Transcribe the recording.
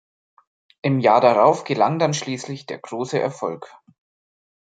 Im Jahr darauf gelang dann schließlich der große Erfolg.